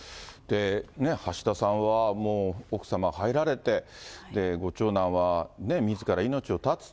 橋田さんはもう、奥様入られて、ご長男はみずから命を絶つ。